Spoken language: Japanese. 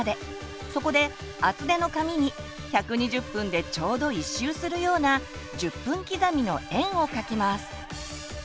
そこで厚手の紙に１２０分でちょうど１周するような１０分刻みの円を書きます。